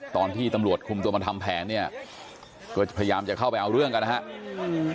ตอนที่ตำรวจคุมตัวมาทำแผนเนี่ยก็จะพยายามจะเข้าไปเอาเรื่องกันนะครับ